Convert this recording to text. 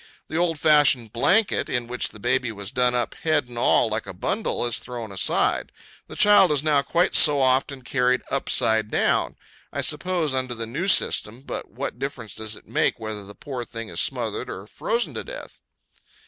The old fashioned blanket, in which the baby was done up head and all, like a bundle, is thrown aside. The child is not quite so often carried upside down. I suppose, under the new system, but what difference does it make whether the poor thing is smothered or frozen to death?